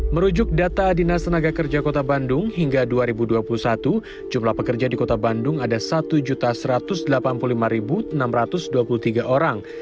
merujuk data dinas tenaga kerja kota bandung hingga dua ribu dua puluh satu jumlah pekerja di kota bandung ada satu satu ratus delapan puluh lima enam ratus dua puluh tiga orang